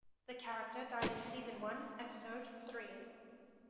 The character died in season one, episode three.